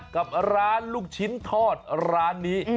กับร้านลูกชิ้นทอดร้านนี้